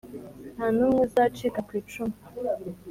nta n’umwe uzacika ku icumu.